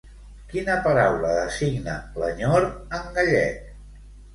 Quina paraula designa l'enyor en gallec?